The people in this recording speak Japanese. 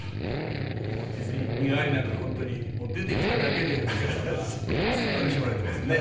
もう実に「身替」なんかは本当にもう出てきただけでお客様が楽しまれてますね。